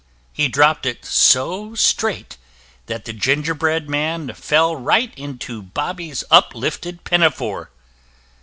He dropped it so straight that the gingerbread man fell right into Bobby's uplifted pinafore.